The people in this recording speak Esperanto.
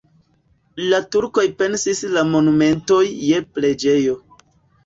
La turkoj pensis la monumenton je preĝejo.